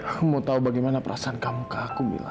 aku mau tahu bagaimana perasaan kamu ke aku